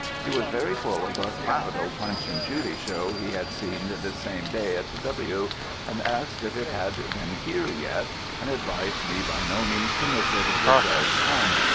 He was very full of a capital Punch and Judy Show he had seen this same day at W , and asked if it had been here yet, and advised me by no means to miss it if it does come.